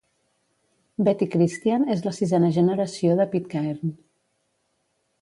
Betty Christian és la sisena generació de Pitcairn.